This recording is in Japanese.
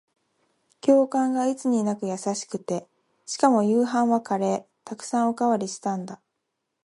教官がいつになく優しくて、しかも夕飯はカレー。沢山おかわりしたんだ。